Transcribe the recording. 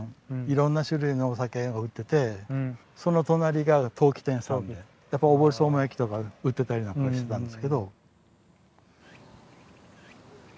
いろんな種類のお酒が売っててその隣が陶器店さんでやっぱり大堀相馬焼とか売ってたりなんかしてたんですけど。